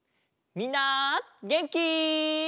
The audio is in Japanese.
みんなげんき？